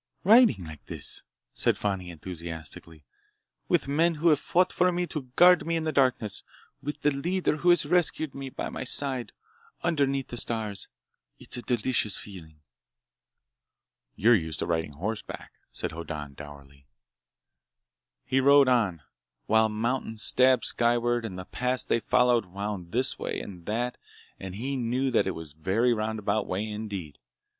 "Riding like this," said Fani enthusiastically, "with men who have fought for me to guard me in the darkness, with the leader who has rescued me by my side, underneath the stars— It's a delicious feeling!" "You're used to riding horseback," said Hoddan dourly. He rode on, while mountains stabbed skyward and the pass they followed wound this way and that and he knew that it was a very roundabout way indeed.